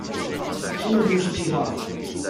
新店都市計畫